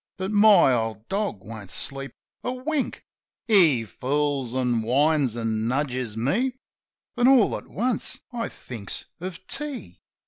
But my old dog won't sleep a wink; He fools, an' whines, an' nudges me. Then all at once I thinks of tea.